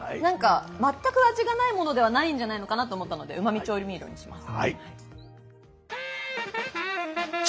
全く味がないものではないんじゃないのかなと思ったのでうまみ調味料にします。